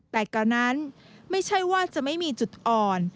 แต่ก่อนนั้นไม่ใช่ว่าจะไม่มีจุดอ่อน